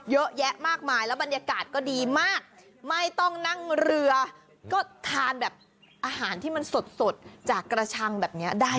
เยอะแยะมากมายแล้วบรรยากาศก็ดีมากไม่ต้องนั่งเรือก็ทานแบบอาหารที่มันสดจากกระชังแบบนี้ได้